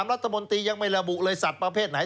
รัฐมนตรียังไม่ระบุเลยสัตว์ประเภทไหน